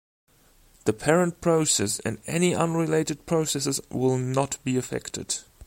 The parent process and any unrelated processes will not be affected.